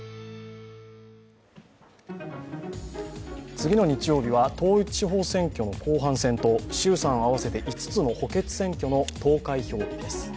次の日曜日は統一地方選挙の後半戦と衆参合わせて、５つの補欠選挙の投開票日です。